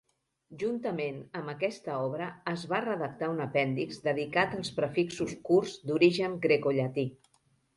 Juntament amb aquesta obra es va redactar un apèndix dedicat als prefixos curts d'origen grecollatí.